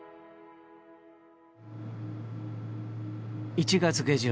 １月下旬